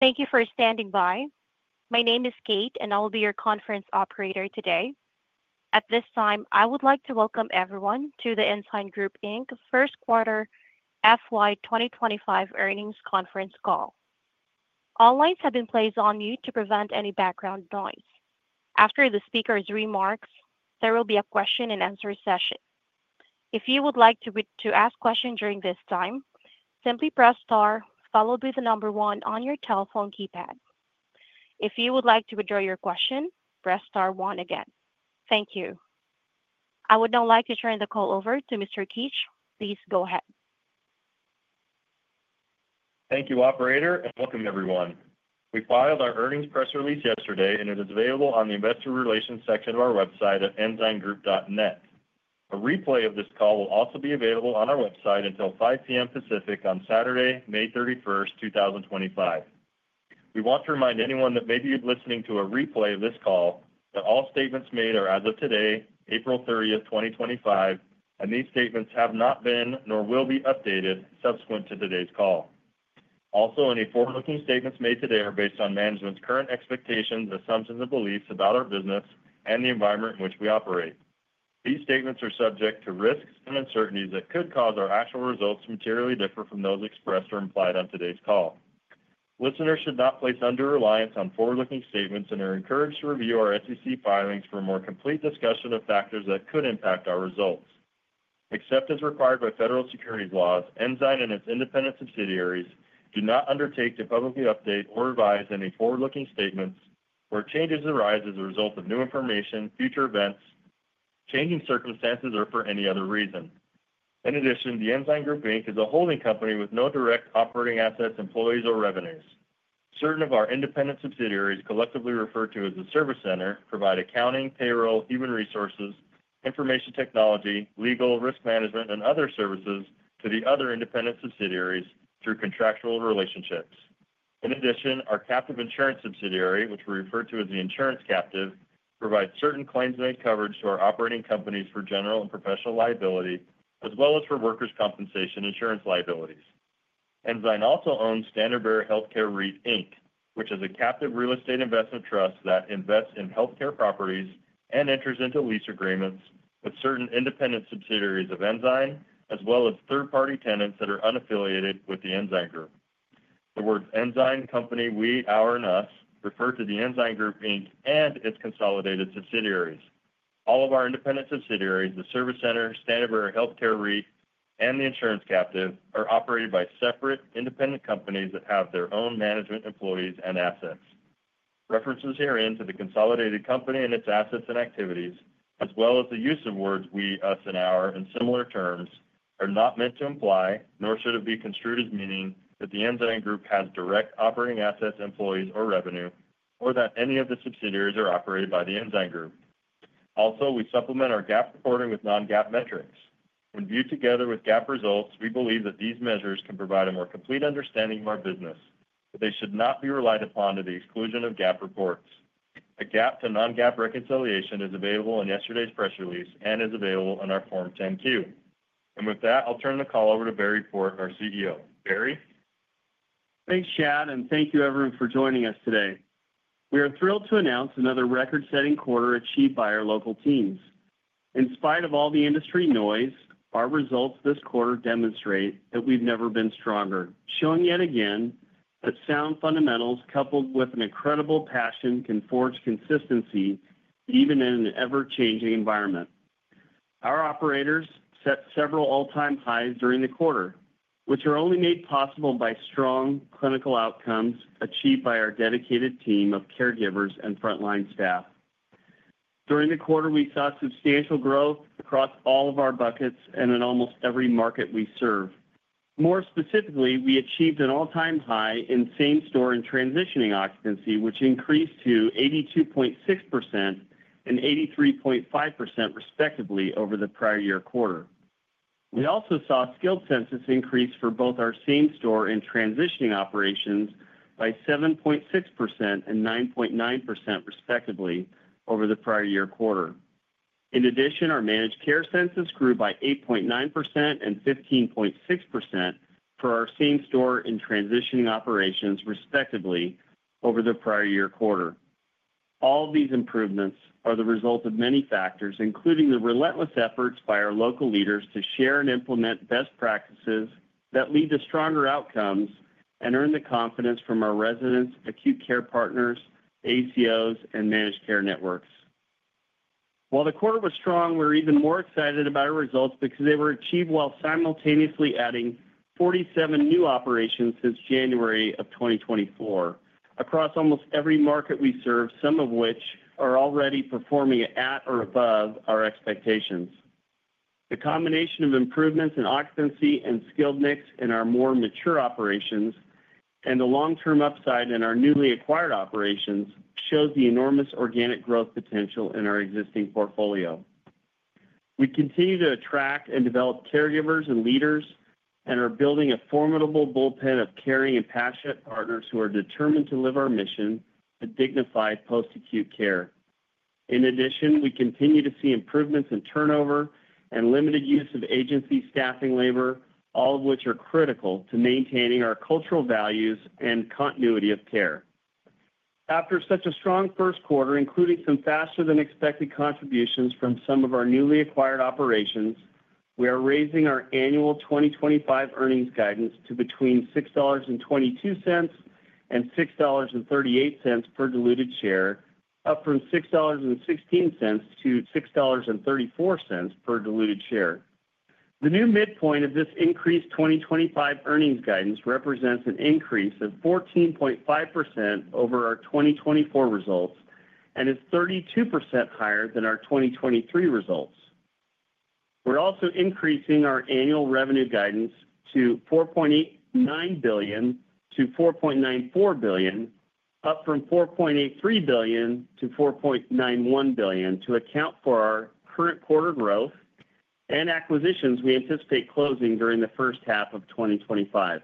Thank you for standing by. My name is Kate, and I'll be your conference operator today. At this time, I would like to welcome everyone to the Ensign Group First Quarter FY 2025 earnings conference call. All lines have been placed on mute to prevent any background noise. After the speaker's remarks, there will be a question-and-answer session. If you would like to ask a question during this time, simply press Star, followed by the number one on your telephone keypad. If you would like to withdraw your question, press Star one again. Thank you. I would now like to turn the call over to Mr. Keetch. Please go ahead. Thank you, Operator, and welcome, everyone. We filed our earnings press release yesterday, and it is available on the Investor Relations section of our website at EnsignGroup.net. A replay of this call will also be available on our website until 5:00 P.M. Pacific on Saturday, May 31, 2025. We want to remind anyone that may be listening to a replay of this call that all statements made are as of today, April 30, 2025, and these statements have not been nor will be updated subsequent to today's call. Also, any forward-looking statements made today are based on management's current expectations, assumptions, and beliefs about our business and the environment in which we operate. These statements are subject to risks and uncertainties that could cause our actual results to materially differ from those expressed or implied on today's call. Listeners should not place undue reliance on forward-looking statements and are encouraged to review our SEC filings for a more complete discussion of factors that could impact our results. Except as required by federal securities laws, Ensign and its independent subsidiaries do not undertake to publicly update or revise any forward-looking statements where changes arise as a result of new information, future events, changing circumstances, or for any other reason. In addition, The Ensign Group is a holding company with no direct operating assets, employees, or revenues. Certain of our independent subsidiaries, collectively referred to as the service center, provide accounting, payroll, human resources, information technology, legal, risk management, and other services to the other independent subsidiaries through contractual relationships. In addition, our captive insurance subsidiary, which we refer to as the Insurance Captive, provides certain claims-made coverage to our operating companies for general and professional liability, as well as for workers' compensation insurance liabilities. Ensign also owns Standard Bearer Healthcare REIT, which is a captive real estate investment trust that invests in healthcare properties and enters into lease agreements with certain independent subsidiaries of Ensign, as well as third-party tenants that are unaffiliated with the Ensign Group. The words Ensign, Company, We, Our, and Us refer to the Ensign Group and its consolidated subsidiaries. All of our independent subsidiaries, the service center, Standard Bearer Healthcare REIT, and the Insurance Captive are operated by separate independent companies that have their own management, employees, and assets. References herein to the consolidated company and its assets and activities, as well as the use of words we, us, and our in similar terms, are not meant to imply, nor should it be construed as meaning that The Ensign Group has direct operating assets, employees, or revenue, or that any of the subsidiaries are operated by The Ensign Group. Also, we supplement our GAAP reporting with non-GAAP metrics. When viewed together with GAAP results, we believe that these measures can provide a more complete understanding of our business, but they should not be relied upon to the exclusion of GAAP reports. A GAAP to non-GAAP reconciliation is available in yesterday's press release and is available in our Form 10-Q. With that, I'll turn the call over to Barry Port, our CEO. Barry? Thanks, Chad, and thank you, everyone, for joining us today. We are thrilled to announce another record-setting quarter achieved by our local teams. In spite of all the industry noise, our results this quarter demonstrate that we've never been stronger, showing yet again that sound fundamentals, coupled with an incredible passion, can forge consistency even in an ever-changing environment. Our operators set several all-time highs during the quarter, which are only made possible by strong clinical outcomes achieved by our dedicated team of caregivers and frontline staff. During the quarter, we saw substantial growth across all of our buckets and in almost every market we serve. More specifically, we achieved an all-time high in same-store and transitioning occupancy, which increased to 82.6% and 83.5%, respectively, over the prior year quarter. We also saw skilled census increase for both our same-store and transitioning operations by 7.6% and 9.9%, respectively, over the prior year quarter. In addition, our managed care census grew by 8.9% and 15.6% for our same-store and transitioning operations, respectively, over the prior year quarter. All of these improvements are the result of many factors, including the relentless efforts by our local leaders to share and implement best practices that lead to stronger outcomes and earn the confidence from our residents, acute care partners, ACOs, and managed care networks. While the quarter was strong, we were even more excited about our results because they were achieved while simultaneously adding 47 new operations since January of 2024 across almost every market we serve, some of which are already performing at or above our expectations. The combination of improvements in occupancy and skilled mix in our more mature operations and the long-term upside in our newly acquired operations shows the enormous organic growth potential in our existing portfolio. We continue to attract and develop caregivers and leaders and are building a formidable bullpen of caring and passionate partners who are determined to live our mission to dignify post-acute care. In addition, we continue to see improvements in turnover and limited use of agency staffing labor, all of which are critical to maintaining our cultural values and continuity of care. After such a strong first quarter, including some faster-than-expected contributions from some of our newly acquired operations, we are raising our annual 2025 earnings guidance to between $6.22 and $6.38 per diluted share, up from $6.16 to $6.34 per diluted share. The new midpoint of this increased 2025 earnings guidance represents an increase of 14.5% over our 2024 results and is 32% higher than our 2023 results. We're also increasing our annual revenue guidance to $4.89 billion-$4.94 billion, up from $4.83 billion-$4.91 billion, to account for our current quarter growth and acquisitions we anticipate closing during the first half of 2025.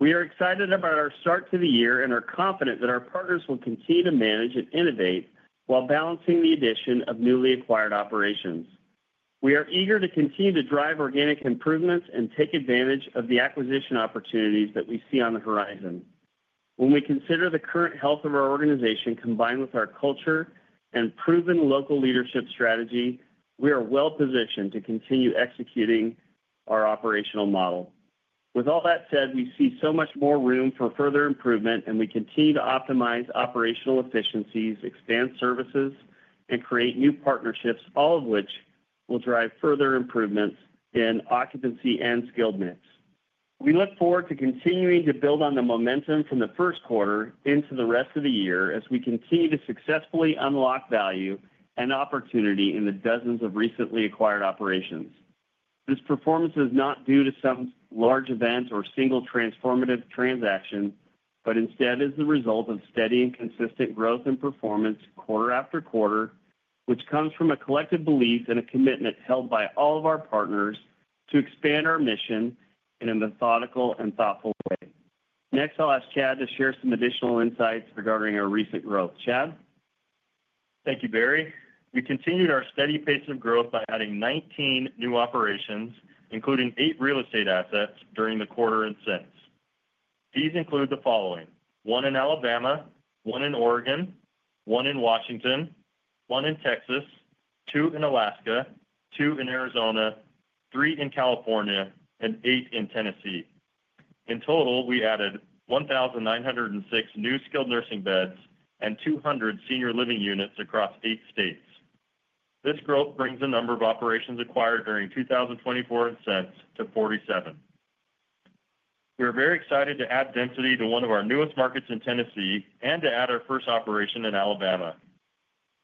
We are excited about our start to the year and are confident that our partners will continue to manage and innovate while balancing the addition of newly acquired operations. We are eager to continue to drive organic improvements and take advantage of the acquisition opportunities that we see on the horizon. When we consider the current health of our organization combined with our culture and proven local leadership strategy, we are well-positioned to continue executing our operational model. With all that said, we see so much more room for further improvement, and we continue to optimize operational efficiencies, expand services, and create new partnerships, all of which will drive further improvements in occupancy and skilled mix. We look forward to continuing to build on the momentum from the first quarter into the rest of the year as we continue to successfully unlock value and opportunity in the dozens of recently acquired operations. This performance is not due to some large event or single transformative transaction, but instead is the result of steady and consistent growth and performance quarter after quarter, which comes from a collective belief and a commitment held by all of our partners to expand our mission in a methodical and thoughtful way. Next, I'll ask Chad to share some additional insights regarding our recent growth. Chad? Thank you, Barry. We continued our steady pace of growth by adding 19 new operations, including 8 real estate assets, during the quarter and since. These include the following: one in Alabama, one in Oregon, one in Washington, one in Texas, two in Alaska, two in Arizona, three in California, and eight in Tennessee. In total, we added 1,906 new skilled nursing beds and 200 senior living units across eight states. This growth brings the number of operations acquired during 2024 and since to 47. We are very excited to add density to one of our newest markets in Tennessee and to add our first operation in Alabama.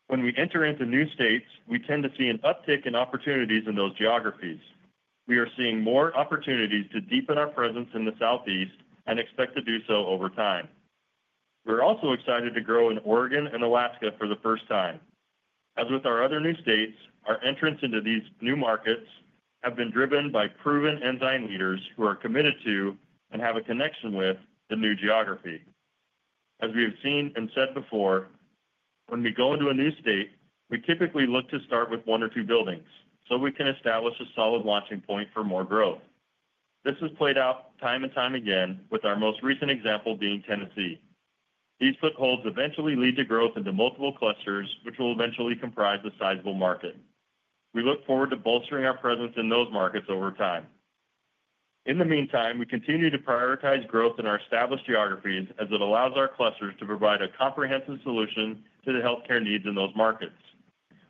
When we enter into new states, we tend to see an uptick in opportunities in those geographies. We are seeing more opportunities to deepen our presence in the Southeast and expect to do so over time. We're also excited to grow in Oregon and Alaska for the first time. As with our other new states, our entrance into these new markets has been driven by proven Ensign leaders who are committed to and have a connection with the new geography. As we have seen and said before, when we go into a new state, we typically look to start with one or two buildings so we can establish a solid launching point for more growth. This has played out time and time again, with our most recent example being Tennessee. These footholds eventually lead to growth into multiple clusters, which will eventually comprise a sizable market. We look forward to bolstering our presence in those markets over time. In the meantime, we continue to prioritize growth in our established geographies as it allows our clusters to provide a comprehensive solution to the healthcare needs in those markets.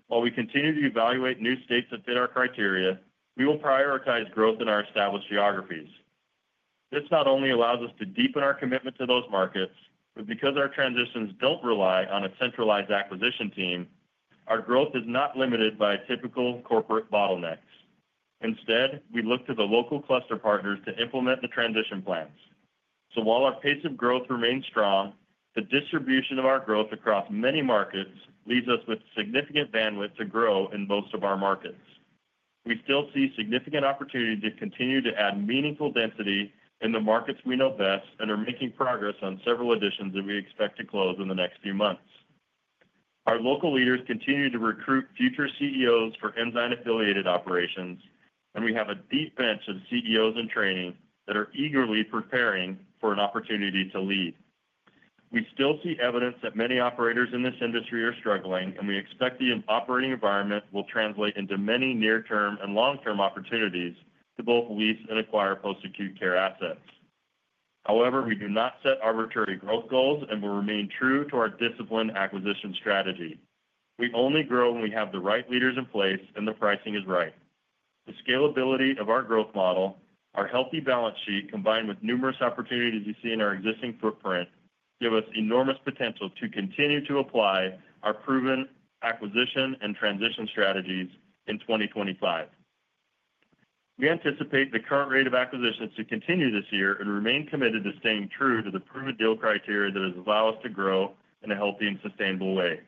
While we continue to evaluate new states that fit our criteria, we will prioritize growth in our established geographies. This not only allows us to deepen our commitment to those markets, but because our transitions do not rely on a centralized acquisition team, our growth is not limited by typical corporate bottlenecks. Instead, we look to the local cluster partners to implement the transition plans. While our pace of growth remains strong, the distribution of our growth across many markets leaves us with significant bandwidth to grow in most of our markets. We still see significant opportunity to continue to add meaningful density in the markets we know best and are making progress on several additions that we expect to close in the next few months. Our local leaders continue to recruit future CEOs for Ensign-affiliated operations, and we have a deep bench of CEOs in training that are eagerly preparing for an opportunity to lead. We still see evidence that many operators in this industry are struggling, and we expect the operating environment will translate into many near-term and long-term opportunities to both lease and acquire post-acute care assets. However, we do not set arbitrary growth goals and will remain true to our disciplined acquisition strategy. We only grow when we have the right leaders in place and the pricing is right. The scalability of our growth model, our healthy balance sheet combined with numerous opportunities you see in our existing footprint give us enormous potential to continue to apply our proven acquisition and transition strategies in 2025. We anticipate the current rate of acquisitions to continue this year and remain committed to staying true to the proven deal criteria that has allowed us to grow in a healthy and sustainable way.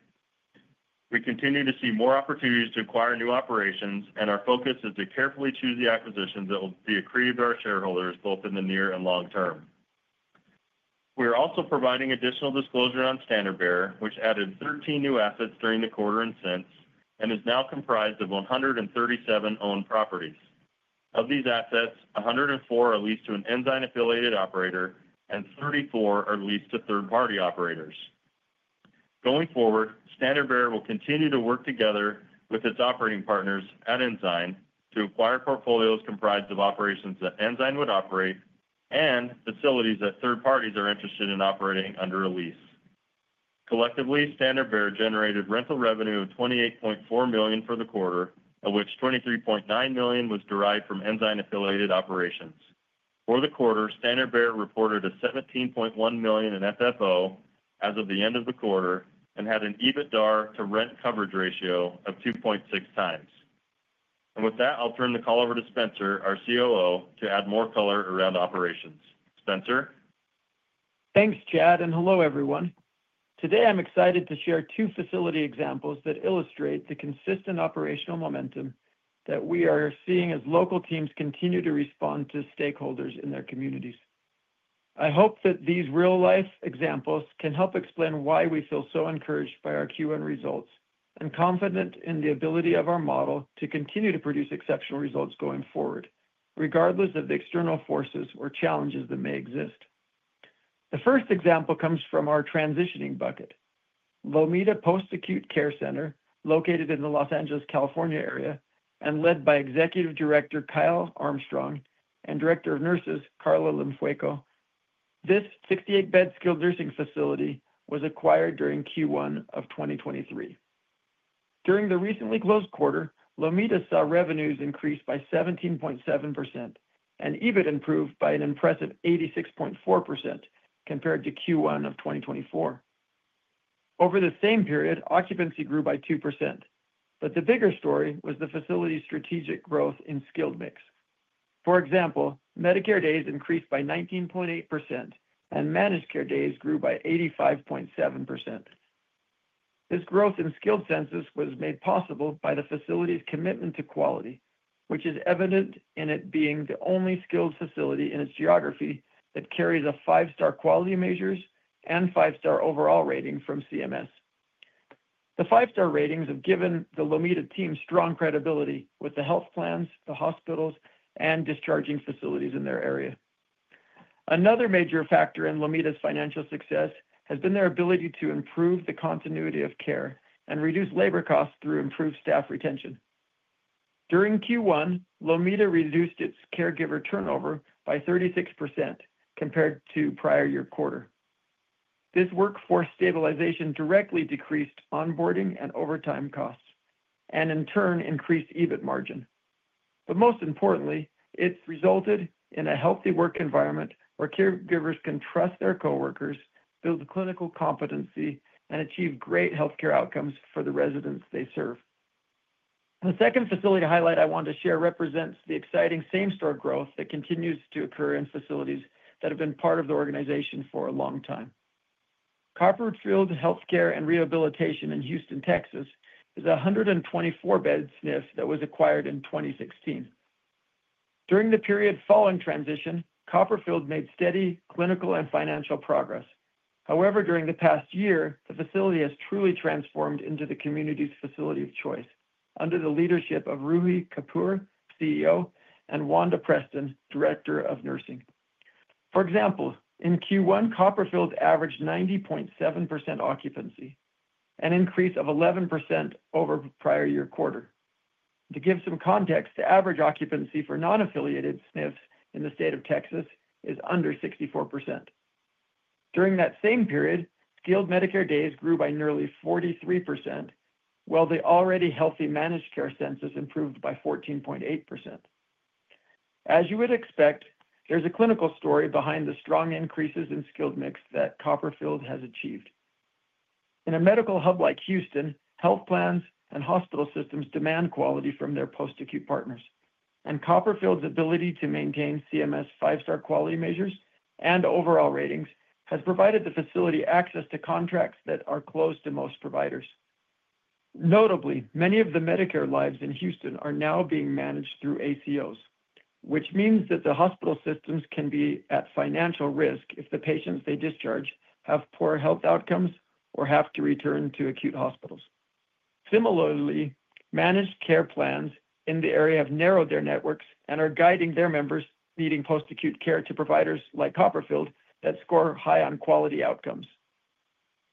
We continue to see more opportunities to acquire new operations, and our focus is to carefully choose the acquisitions that will be accredited to our shareholders both in the near and long term. We are also providing additional disclosure on Standard Bearer, which added 13 new assets during the quarter and since and is now comprised of 137 owned properties. Of these assets, 104 are leased to an Ensign-affiliated operator, and 34 are leased to third-party operators. Going forward, Standard Bearer will continue to work together with its operating partners at Ensign to acquire portfolios comprised of operations that Ensign would operate and facilities that third parties are interested in operating under a lease. Collectively, Standard Bearer generated rental revenue of $28.4 million for the quarter, of which $23.9 million was derived from Ensign-affiliated operations. For the quarter, Standard Bearer reported $17.1 million in FFO as of the end of the quarter and had an EBITDA to rent coverage ratio of 2.6 times. With that, I'll turn the call over to Spencer, our COO, to add more color around operations. Spencer? Thanks, Chad, and hello, everyone. Today, I'm excited to share two facility examples that illustrate the consistent operational momentum that we are seeing as local teams continue to respond to stakeholders in their communities. I hope that these real-life examples can help explain why we feel so encouraged by our Q1 results and confident in the ability of our model to continue to produce exceptional results going forward, regardless of the external forces or challenges that may exist. The first example comes from our transitioning bucket, Lomita Post-Acute Care Center, located in the Los Angeles, California area, and led by Executive Director Kyle Armstrong and Director of Nurses Carla Lomfueco. This 68-bed skilled nursing facility was acquired during Q1 of 2023. During the recently closed quarter, Lomita saw revenues increase by 17.7% and EBIT improve by an impressive 86.4% compared to Q1 of 2024. Over the same period, occupancy grew by 2%, but the bigger story was the facility's strategic growth in skilled mix. For example, Medicare days increased by 19.8%, and managed care days grew by 85.7%. This growth in skilled census was made possible by the facility's commitment to quality, which is evident in it being the only skilled facility in its geography that carries a five-star quality measures and five-star overall rating from CMS. The five-star ratings have given the Lomita team strong credibility with the health plans, the hospitals, and discharging facilities in their area. Another major factor in Lomita's financial success has been their ability to improve the continuity of care and reduce labor costs through improved staff retention. During Q1, Lomita reduced its caregiver turnover by 36% compared to prior year quarter. This workforce stabilization directly decreased onboarding and overtime costs and, in turn, increased EBIT margin. Most importantly, it's resulted in a healthy work environment where caregivers can trust their coworkers, build clinical competency, and achieve great healthcare outcomes for the residents they serve. The second facility highlight I want to share represents the exciting same-store growth that continues to occur in facilities that have been part of the organization for a long time. Copperfield Healthcare and Rehabilitation in Houston, Texas, is a 124-bed SNF that was acquired in 2016. During the period following transition, Copperfield made steady clinical and financial progress. However, during the past year, the facility has truly transformed into the community's facility of choice under the leadership of Ruhi Kapur, CEO, and Wanda Preston, Director of Nursing. For example, in Q1, Copperfield averaged 90.7% occupancy, an increase of 11% over prior year quarter. To give some context, the average occupancy for non-affiliated SNFs in the state of Texas is under 64%. During that same period, skilled Medicare days grew by nearly 43%, while the already healthy managed care census improved by 14.8%. As you would expect, there's a clinical story behind the strong increases in skilled mix that Copperfield has achieved. In a medical hub like Houston, health plans and hospital systems demand quality from their post-acute partners, and Copperfield's ability to maintain CMS five-star quality measures and overall ratings has provided the facility access to contracts that are close to most providers. Notably, many of the Medicare lives in Houston are now being managed through ACOs, which means that the hospital systems can be at financial risk if the patients they discharge have poor health outcomes or have to return to acute hospitals. Similarly, managed care plans in the area have narrowed their networks and are guiding their members needing post-acute care to providers like Copperfield that score high on quality outcomes.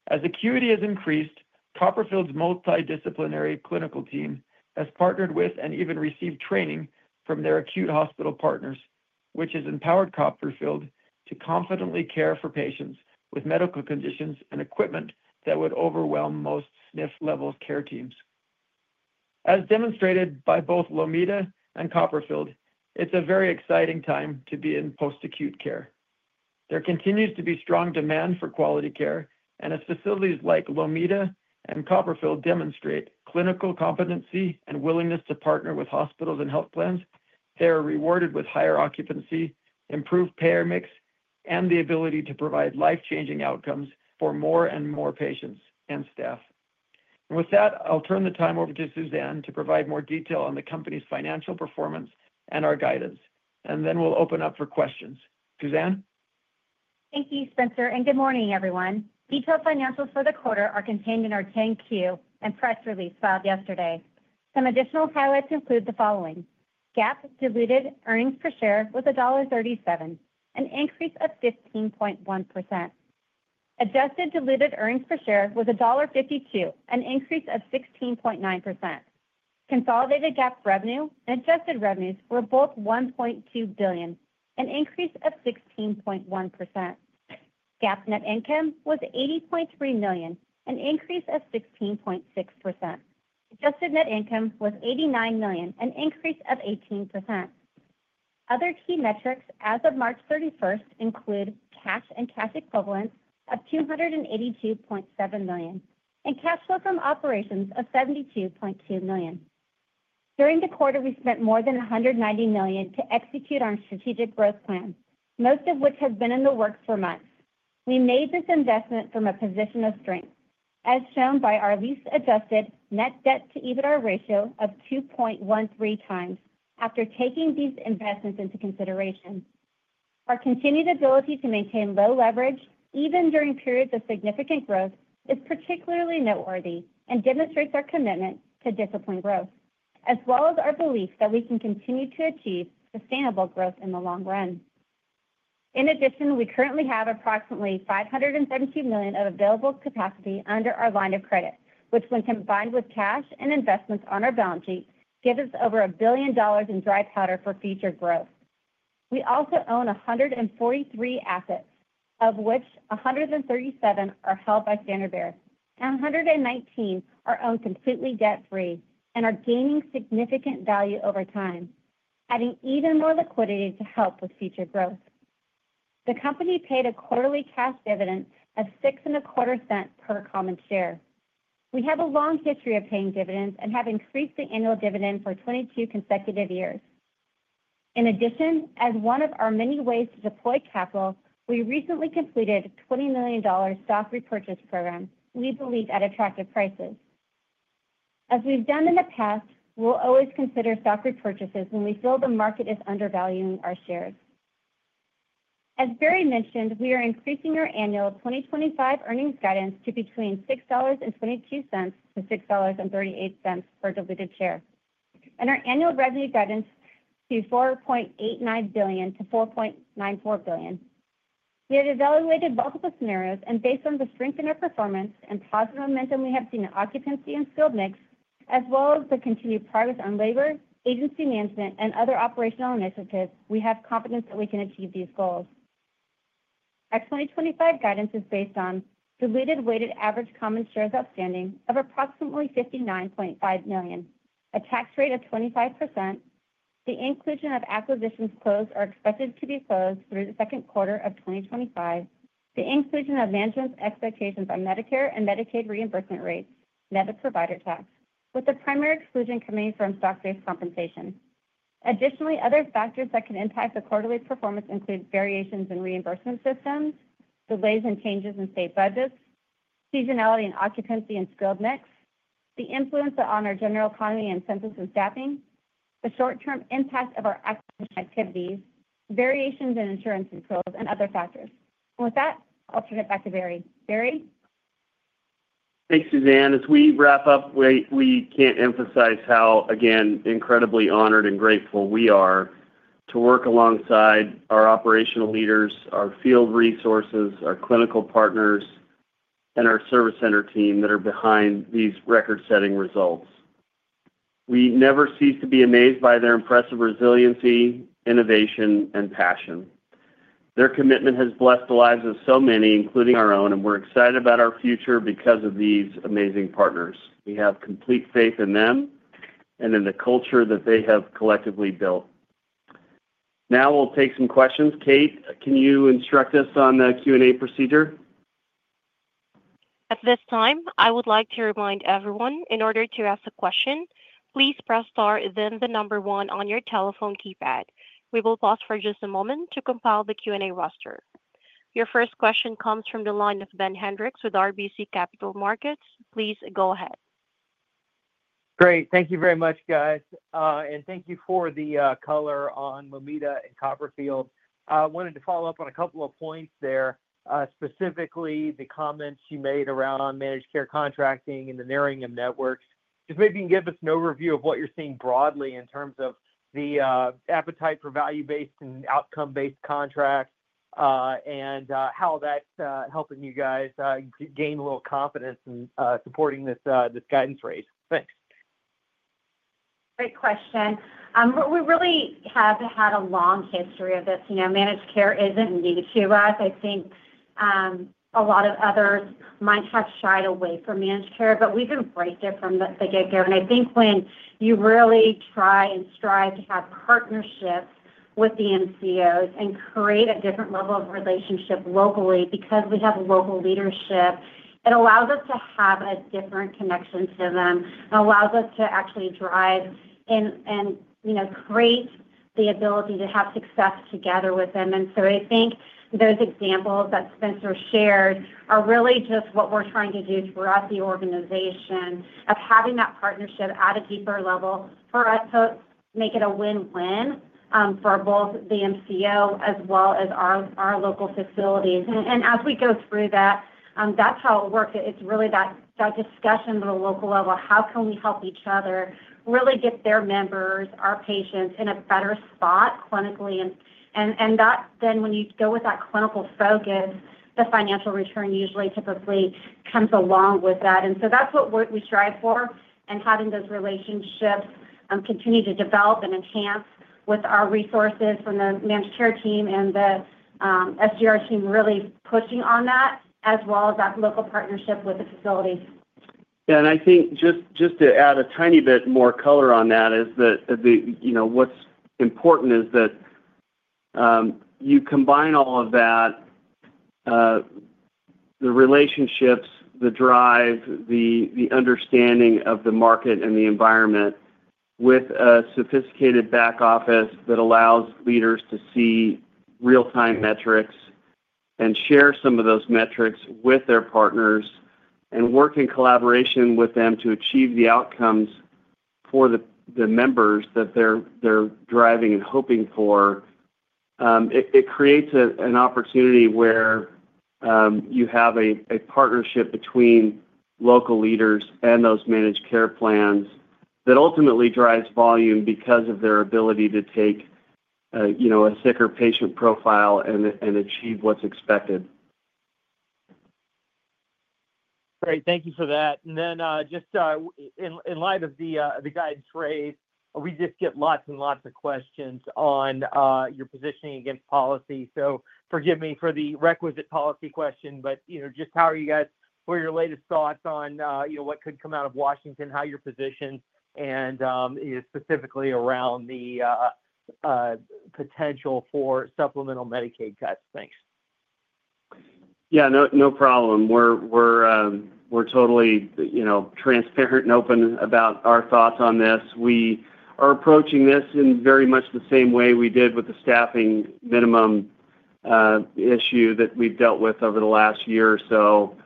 As acuity has increased, Copperfield's multidisciplinary clinical team has partnered with and even received training from their acute hospital partners, which has empowered Copperfield to confidently care for patients with medical conditions and equipment that would overwhelm most SNF-level care teams. As demonstrated by both Lomita and Copperfield, it's a very exciting time to be in post-acute care. There continues to be strong demand for quality care, and as facilities like Lomita and Copperfield demonstrate clinical competency and willingness to partner with hospitals and health plans, they are rewarded with higher occupancy, improved payer mix, and the ability to provide life-changing outcomes for more and more patients and staff. With that, I'll turn the time over to Suzanne to provide more detail on the company's financial performance and our guidance, and then we'll open up for questions. Suzanne? Thank you, Spencer, and good morning, everyone. Detailed financials for the quarter are contained in our 10-Q and press release filed yesterday. Some additional highlights include the following: GAAP diluted earnings per share was $1.37, an increase of 15.1%. Adjusted diluted earnings per share was $1.52, an increase of 16.9%. Consolidated GAAP revenue and adjusted revenues were both $1.2 billion, an increase of 16.1%. GAAP net income was $80.3 million, an increase of 16.6%. Adjusted net income was $89 million, an increase of 18%. Other key metrics as of March 31st include cash and cash equivalents of $282.7 million and cash flow from operations of $72.2 million. During the quarter, we spent more than $190 million to execute our strategic growth plan, most of which has been in the works for months. We made this investment from a position of strength, as shown by our latest adjusted net debt to EBITDA ratio of 2.13 times after taking these investments into consideration. Our continued ability to maintain low leverage, even during periods of significant growth, is particularly noteworthy and demonstrates our commitment to disciplined growth, as well as our belief that we can continue to achieve sustainable growth in the long run. In addition, we currently have approximately $572 million of available capacity under our line of credit, which, when combined with cash and investments on our balance sheet, gives us over a billion dollars in dry powder for future growth. We also own 143 assets, of which 137 are held by Standard Bearer and 119 are owned completely debt-free and are gaining significant value over time, adding even more liquidity to help with future growth. The company paid a quarterly cash dividend of $0.0625 per common share. We have a long history of paying dividends and have increased the annual dividend for 22 consecutive years. In addition, as one of our many ways to deploy capital, we recently completed a $20 million stock repurchase program we believe at attractive prices. As we've done in the past, we'll always consider stock repurchases when we feel the market is undervaluing our shares. As Barry mentioned, we are increasing our annual 2025 earnings guidance to between $6.22-$6.38 per diluted share, and our annual revenue guidance to $4.89 billion-$4.94 billion. We have evaluated multiple scenarios, and based on the strength in our performance and positive momentum we have seen in occupancy and skilled mix, as well as the continued progress on labor, agency management, and other operational initiatives, we have confidence that we can achieve these goals. Our 2025 guidance is based on diluted weighted average common shares outstanding of approximately $59.5 million, a tax rate of 25%, the inclusion of acquisitions closed or expected to be closed through the second quarter of 2025, the inclusion of management's expectations on Medicare and Medicaid reimbursement rates, and the provider tax, with the primary exclusion coming from stock-based compensation. Additionally, other factors that can impact the quarterly performance include variations in reimbursement systems, delays and changes in state budgets, seasonality in occupancy and skilled mix, the influence on our general economy and census and staffing, the short-term impact of our acquisition activities, variations in insurance and close, and other factors. With that, I'll turn it back to Barry. Barry? Thanks, Suzanne. As we wrap up, we can't emphasize how, again, incredibly honored and grateful we are to work alongside our operational leaders, our field resources, our clinical partners, and our service center team that are behind these record-setting results. We never cease to be amazed by their impressive resiliency, innovation, and passion. Their commitment has blessed the lives of so many, including our own, and we're excited about our future because of these amazing partners. We have complete faith in them and in the culture that they have collectively built. Now we'll take some questions. Kate, can you instruct us on the Q&A procedure? At this time, I would like to remind everyone, in order to ask a question, please press star and then the number one on your telephone keypad. We will pause for just a moment to compile the Q&A roster. Your first question comes from the line of Ben Hendricks with RBC Capital Markets. Please go ahead. Great. Thank you very much, guys. Thank you for the color on Lomita and Copperfield. I wanted to follow up on a couple of points there, specifically the comments you made around managed care contracting and the narrowing of networks. Maybe you can give us an overview of what you're seeing broadly in terms of the appetite for value-based and outcome-based contracts and how that's helping you guys gain a little confidence in supporting this guidance raise. Thanks. Great question. We really have had a long history of this. Managed care isn't new to us. I think a lot of others might have shied away from managed care, but we've embraced it from the get-go. I think when you really try and strive to have partnerships with the MCOs and create a different level of relationship locally because we have local leadership, it allows us to have a different connection to them and allows us to actually drive and create the ability to have success together with them. I think those examples that Spencer shared are really just what we're trying to do throughout the organization of having that partnership at a deeper level for us to make it a win-win for both the MCO as well as our local facilities. As we go through that, that's how it works. It's really that discussion at the local level, how can we help each other really get their members, our patients, in a better spot clinically? When you go with that clinical focus, the financial return usually typically comes along with that. That's what we strive for, and having those relationships continue to develop and enhance with our resources from the managed care team and the SGR team really pushing on that, as well as that local partnership with the facilities. Yeah. I think just to add a tiny bit more color on that is that what's important is that you combine all of that, the relationships, the drive, the understanding of the market and the environment with a sophisticated back office that allows leaders to see real-time metrics and share some of those metrics with their partners and work in collaboration with them to achieve the outcomes for the members that they're driving and hoping for. It creates an opportunity where you have a partnership between local leaders and those managed care plans that ultimately drives volume because of their ability to take a sicker patient profile and achieve what's expected. Great. Thank you for that. In light of the guidance raise, we just get lots and lots of questions on your positioning against policy. Forgive me for the requisite policy question, but just how are you guys? What are your latest thoughts on what could come out of Washington, how you're positioned, and specifically around the potential for supplemental Medicaid cuts? Thanks. Yeah. No problem. We're totally transparent and open about our thoughts on this. We are approaching this in very much the same way we did with the staffing minimum issue that we've dealt with over the last year or so,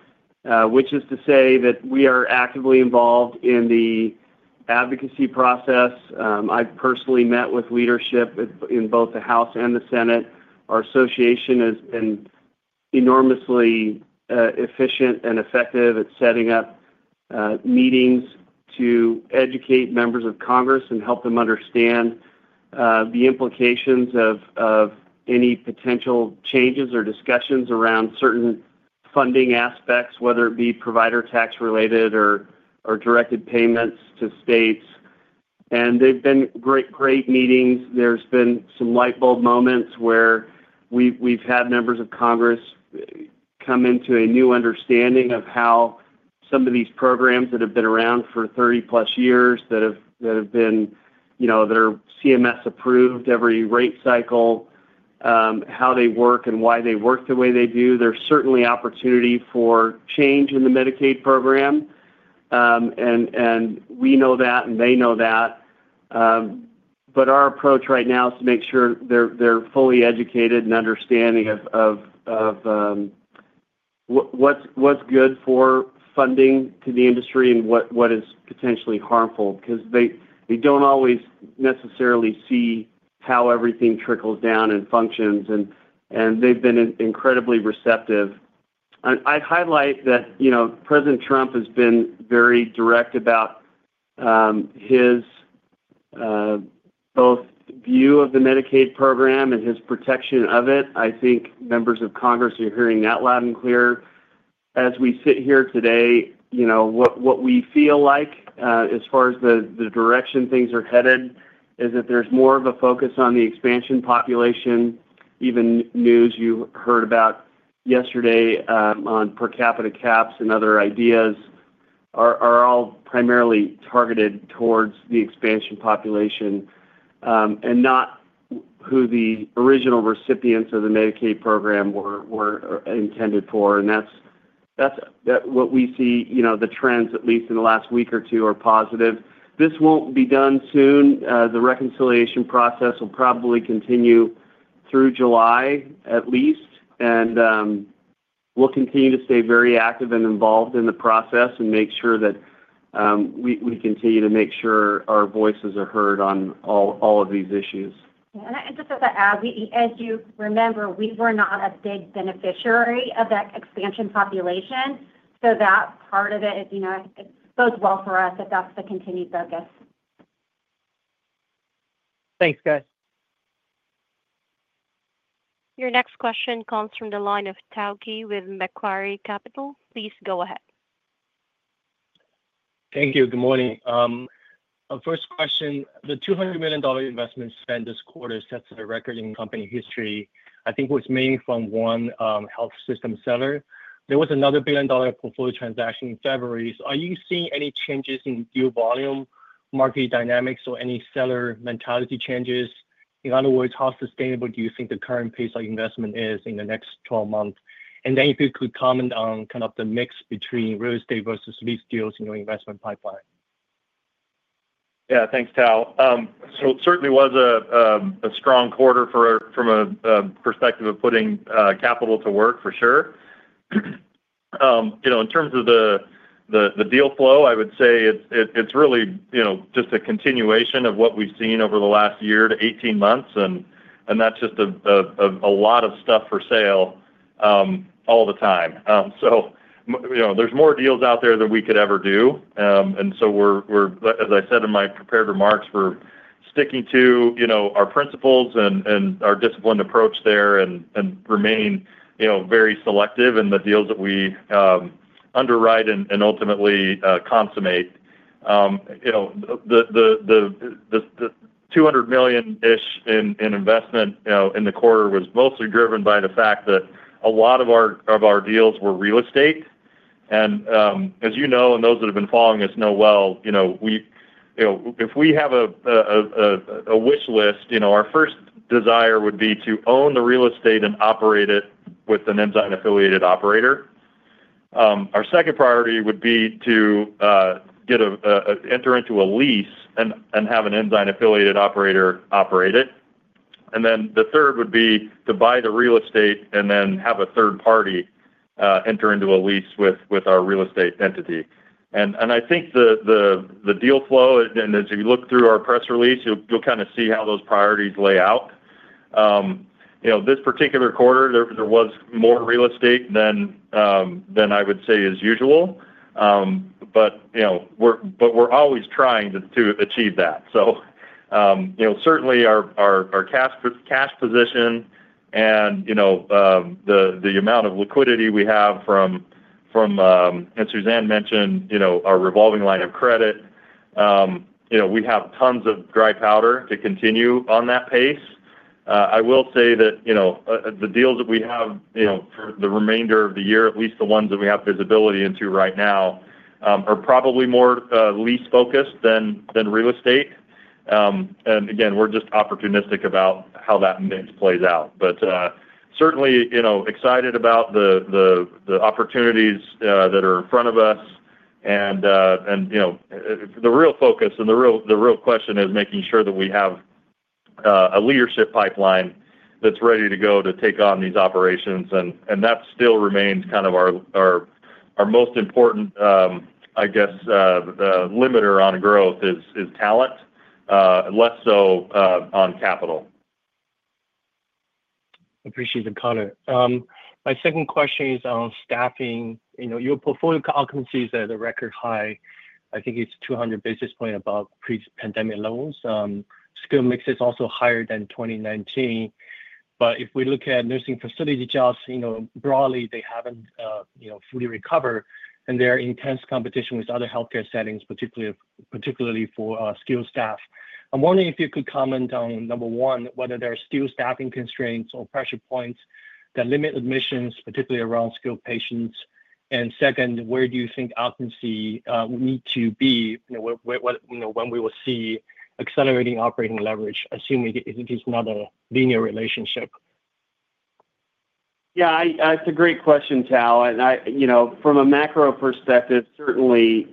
which is to say that we are actively involved in the advocacy process. I've personally met with leadership in both the House and the Senate. Our association has been enormously efficient and effective at setting up meetings to educate members of Congress and help them understand the implications of any potential changes or discussions around certain funding aspects, whether it be provider tax-related or directed payments to states. They've been great meetings. There's been some light bulb moments where we've had members of Congress come into a new understanding of how some of these programs that have been around for 30-plus years that are CMS-approved every rate cycle, how they work and why they work the way they do. There's certainly opportunity for change in the Medicaid program, and we know that and they know that. Our approach right now is to make sure they're fully educated and understanding of what's good for funding to the industry and what is potentially harmful because they don't always necessarily see how everything trickles down and functions, and they've been incredibly receptive. I'd highlight that President Trump has been very direct about his both view of the Medicaid program and his protection of it. I think members of Congress are hearing that loud and clear. As we sit here today, what we feel like as far as the direction things are headed is that there's more of a focus on the expansion population. Even news you heard about yesterday on per capita caps and other ideas are all primarily targeted towards the expansion population and not who the original recipients of the Medicaid program were intended for. That's what we see. The trends, at least in the last week or two, are positive. This won't be done soon. The reconciliation process will probably continue through July at least, and we'll continue to stay very active and involved in the process and make sure that we continue to make sure our voices are heard on all of these issues. Just as an add, as you remember, we were not a big beneficiary of that expansion population. So that part of it bodes well for us if that's the continued focus. Thanks, guys. Your next question comes from the line of Tauchi with Macquarie Capital. Please go ahead. Thank you. Good morning. First question. The $200 million investment spent this quarter sets a record in company history. I think it was mainly from one health system seller. There was another billion-dollar portfolio transaction in February. Are you seeing any changes in deal volume, market dynamics, or any seller mentality changes? In other words, how sustainable do you think the current pace of investment is in the next 12 months? If you could comment on kind of the mix between real estate versus lease deals in your investment pipeline. Yeah. Thanks, Tal. It certainly was a strong quarter from a perspective of putting capital to work, for sure. In terms of the deal flow, I would say it's really just a continuation of what we've seen over the last year to 18 months, and that's just a lot of stuff for sale all the time. There are more deals out there than we could ever do. As I said in my prepared remarks, we're sticking to our principles and our disciplined approach there and remain very selective in the deals that we underwrite and ultimately consummate. The $200 million-ish in investment in the quarter was mostly driven by the fact that a lot of our deals were real estate. As you know, and those that have been following us know well, if we have a wish list, our first desire would be to own the real estate and operate it with an Ensign-affiliated operator. Our second priority would be to enter into a lease and have an Ensign-affiliated operator operate it. The third would be to buy the real estate and then have a third party enter into a lease with our real estate entity. I think the deal flow, and as you look through our press release, you'll kind of see how those priorities lay out. This particular quarter, there was more real estate than I would say is usual, but we're always trying to achieve that. Certainly, our cash position and the amount of liquidity we have from, as Suzanne mentioned, our revolving line of credit, we have tons of dry powder to continue on that pace. I will say that the deals that we have for the remainder of the year, at least the ones that we have visibility into right now, are probably more lease-focused than real estate. Again, we're just opportunistic about how that mix plays out. Certainly excited about the opportunities that are in front of us. The real focus and the real question is making sure that we have a leadership pipeline that's ready to go to take on these operations. That still remains kind of our most important, I guess, limiter on growth is talent, less so on capital. Appreciate the comment. My second question is on staffing. Your portfolio outcome is at a record high. I think it's 200 basis points above pre-pandemic levels. Skill mix is also higher than 2019. If we look at nursing facility jobs broadly, they haven't fully recovered, and there are intense competitions with other healthcare settings, particularly for skilled staff. I'm wondering if you could comment on, number one, whether there are skilled staffing constraints or pressure points that limit admissions, particularly around skilled patients. Second, where do you think outcomes need to be when we will see accelerating operating leverage, assuming it is not a linear relationship? Yeah. It's a great question, Tal. From a macro perspective, certainly,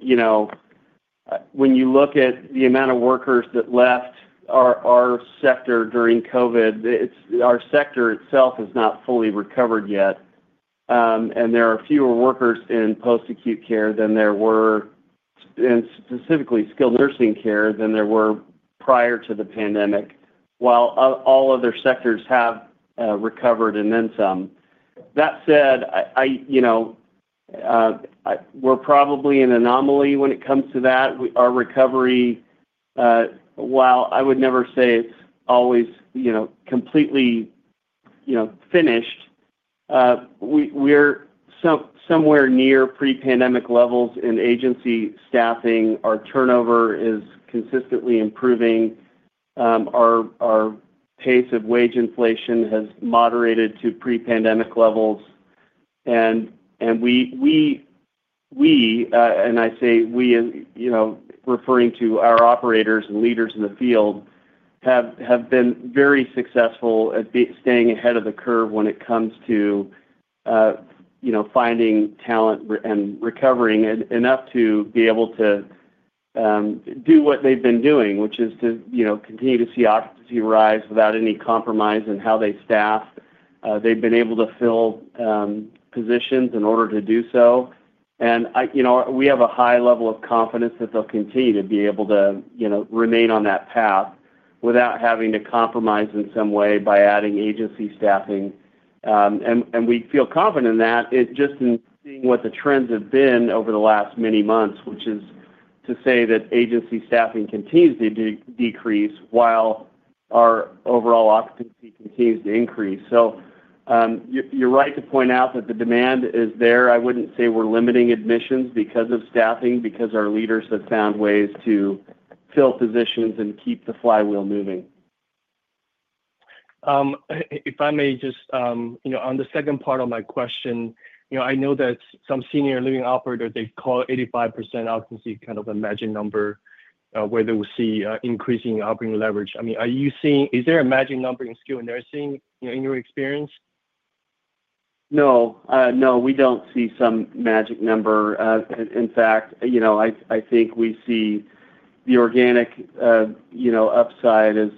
when you look at the amount of workers that left our sector during COVID, our sector itself has not fully recovered yet. There are fewer workers in post-acute care than there were, and specifically skilled nursing care than there were prior to the pandemic, while all other sectors have recovered and then some. That said, we're probably an anomaly when it comes to that. Our recovery, while I would never say it's always completely finished, we're somewhere near pre-pandemic levels in agency staffing. Our turnover is consistently improving. Our pace of wage inflation has moderated to pre-pandemic levels. We, and I say we, referring to our operators and leaders in the field, have been very successful at staying ahead of the curve when it comes to finding talent and recovering enough to be able to do what they've been doing, which is to continue to see occupancy rise without any compromise in how they staff. They've been able to fill positions in order to do so. We have a high level of confidence that they'll continue to be able to remain on that path without having to compromise in some way by adding agency staffing. We feel confident in that just in seeing what the trends have been over the last many months, which is to say that agency staffing continues to decrease while our overall occupancy continues to increase. You are right to point out that the demand is there. I wouldn't say we're limiting admissions because of staffing, because our leaders have found ways to fill positions and keep the flywheel moving. If I may, just on the second part of my question, I know that some senior living operators, they call 85% occupancy kind of a magic number where they will see increasing operating leverage. I mean, are you seeing is there a magic number in skilled nursing in your experience? No. No, we do not see some magic number. In fact, I think we see the organic upside as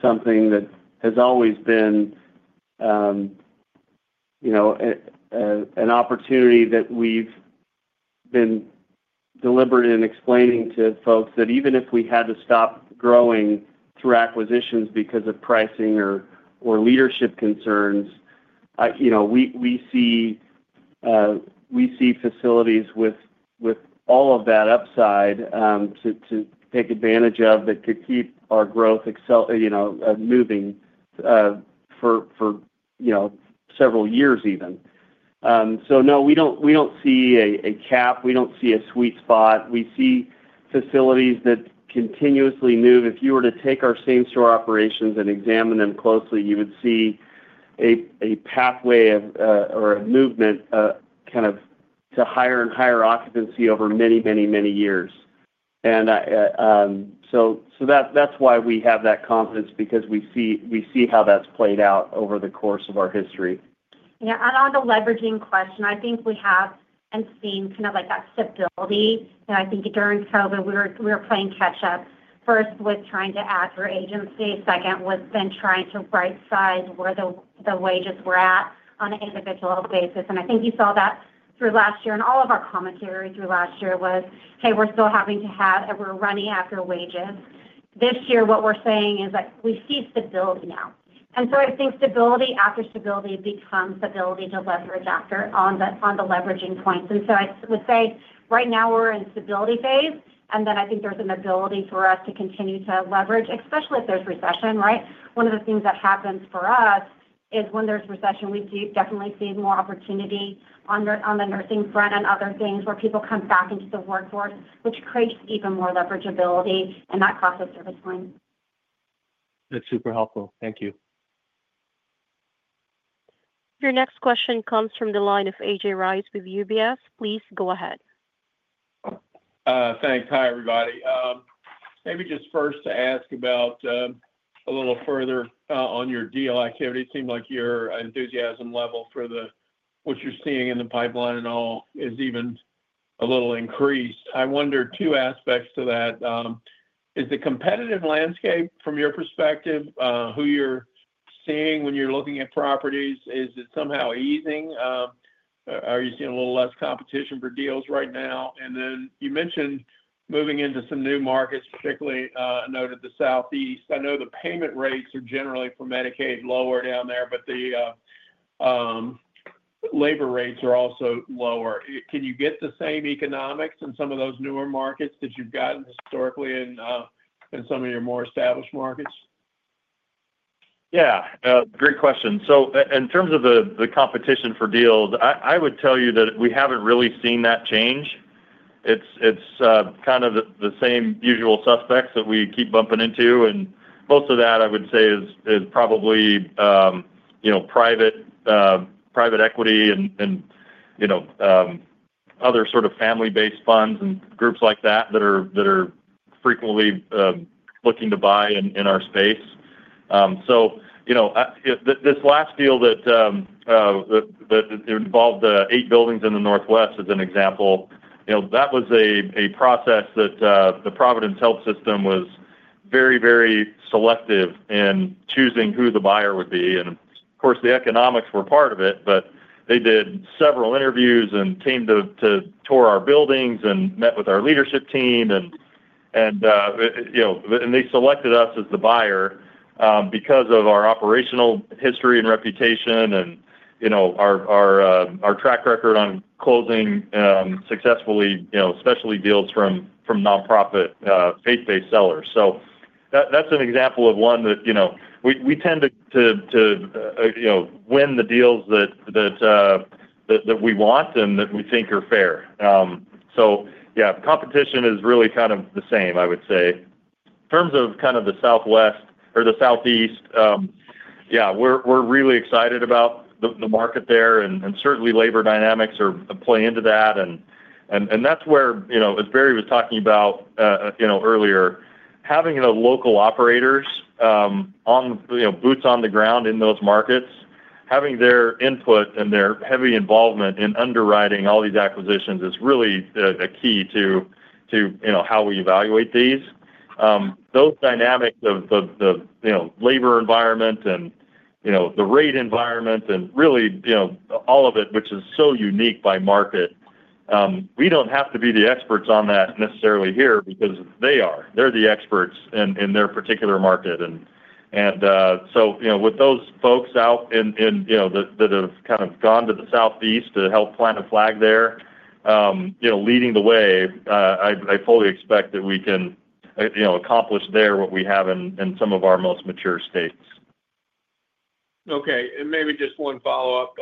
something that has always been an opportunity that we have been deliberate in explaining to folks that even if we had to stop growing through acquisitions because of pricing or leadership concerns, we see facilities with all of that upside to take advantage of that could keep our growth moving for several years even. No, we do not see a cap. We do not see a sweet spot. We see facilities that continuously move. If you were to take our same store operations and examine them closely, you would see a pathway or a movement kind of to higher and higher occupancy over many, many, many years. That is why we have that confidence because we see how that has played out over the course of our history. Yeah. On the leveraging question, I think we have seen kind of that stability. I think during COVID, we were playing catch-up. First was trying to add for agency. Second was then trying to right-size where the wages were at on an individual basis. I think you saw that through last year. All of our commentary through last year was, "Hey, we're still having to have we're running after wages." This year, what we're saying is that we see stability now. I think stability after stability becomes the ability to leverage on the leveraging points. I would say right now we're in stability phase, and then I think there's an ability for us to continue to leverage, especially if there's recession, right? One of the things that happens for us is when there's recession, we definitely see more opportunity on the nursing front and other things where people come back into the workforce, which creates even more leverageability, and that costs us service money. That's super helpful. Thank you. Your next question comes from the line of AJ Rice with UBS. Please go ahead. Thanks. Hi, everybody. Maybe just first to ask about a little further on your deal activity. It seems like your enthusiasm level for what you're seeing in the pipeline and all is even a little increased. I wonder two aspects to that. Is the competitive landscape from your perspective, who you're seeing when you're looking at properties, is it somehow easing? Are you seeing a little less competition for deals right now? You mentioned moving into some new markets, particularly I noted the Southeast. I know the payment rates are generally for Medicaid lower down there, but the labor rates are also lower. Can you get the same economics in some of those newer markets that you've gotten historically in some of your more established markets? Yeah. Great question. In terms of the competition for deals, I would tell you that we haven't really seen that change. It's kind of the same usual suspects that we keep bumping into. Most of that, I would say, is probably private equity and other sort of family-based funds and groups like that that are frequently looking to buy in our space. This last deal that involved eight buildings in the Northwest as an example, that was a process that the Providence Health System was very, very selective in choosing who the buyer would be. Of course, the economics were part of it, but they did several interviews and came to tour our buildings and met with our leadership team. They selected us as the buyer because of our operational history and reputation and our track record on closing successfully, especially deals from nonprofit faith-based sellers. That is an example of one that we tend to win, the deals that we want and that we think are fair. Competition is really kind of the same, I would say. In terms of kind of the Southwest or the Southeast, we are really excited about the market there, and certainly labor dynamics play into that. That is where, as Barry was talking about earlier, having the local operators boots on the ground in those markets, having their input and their heavy involvement in underwriting all these acquisitions is really a key to how we evaluate these. Those dynamics of the labor environment and the rate environment and really all of it, which is so unique by market, we do not have to be the experts on that necessarily here because they are. They are the experts in their particular market. With those folks out that have kind of gone to the Southeast to help plant a flag there, leading the way, I fully expect that we can accomplish there what we have in some of our most mature states. Okay. Maybe just one follow-up.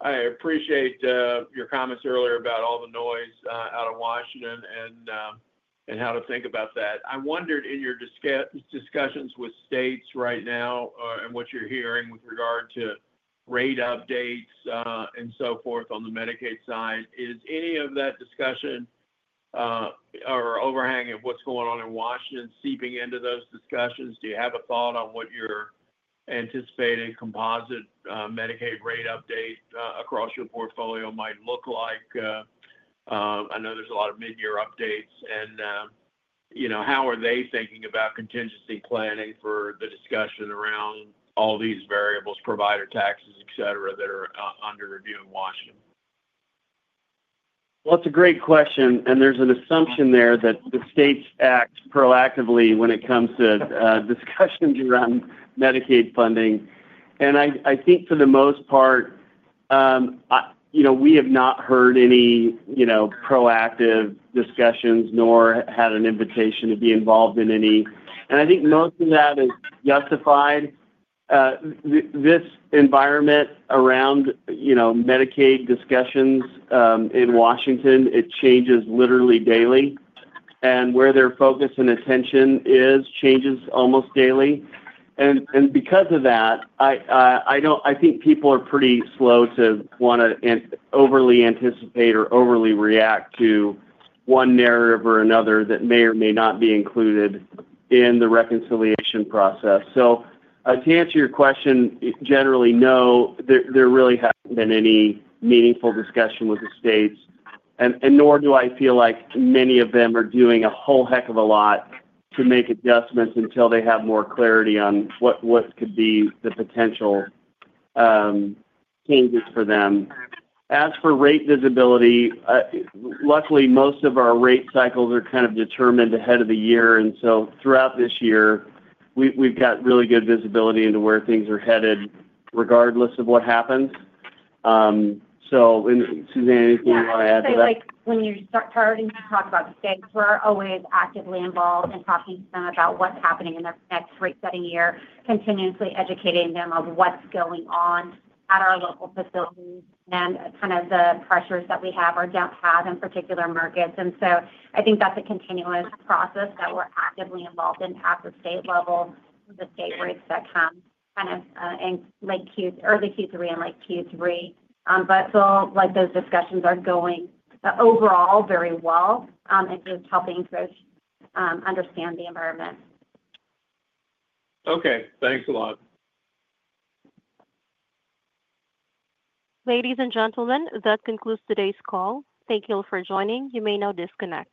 I appreciate your comments earlier about all the noise out of Washington and how to think about that. I wondered in your discussions with states right now and what you're hearing with regard to rate updates and so forth on the Medicaid side, is any of that discussion or overhang of what's going on in Washington seeping into those discussions? Do you have a thought on what your anticipated composite Medicaid rate update across your portfolio might look like? I know there's a lot of mid-year updates. How are they thinking about contingency planning for the discussion around all these variables, provider taxes, etc., that are under review in Washington? It's a great question. There's an assumption there that the states act proactively when it comes to discussions around Medicaid funding. I think for the most part, we have not heard any proactive discussions nor had an invitation to be involved in any. I think most of that is justified. This environment around Medicaid discussions in Washington, it changes literally daily. Where their focus and attention is changes almost daily. Because of that, I think people are pretty slow to want to overly anticipate or overly react to one narrative or another that may or may not be included in the reconciliation process. To answer your question, generally, no, there really hasn't been any meaningful discussion with the states, and nor do I feel like many of them are doing a whole heck of a lot to make adjustments until they have more clarity on what could be the potential changes for them. As for rate visibility, luckily, most of our rate cycles are kind of determined ahead of the year. And so throughout this year, we've got really good visibility into where things are headed regardless of what happens. Suzanne, anything you want to add to that? I'd say when you start priorities to talk about the states, we're always actively involved in talking to them about what's happening in their next rate-setting year, continuously educating them of what's going on at our local facilities and kind of the pressures that we have or don't have in particular markets. I think that's a continuous process that we're actively involved in at the state level with the state rates that come kind of in early Q3 and late Q3. Still, those discussions are going overall very well and just helping folks understand the environment. Okay. Thanks a lot. Ladies and gentlemen, that concludes today's call. Thank you all for joining. You may now disconnect.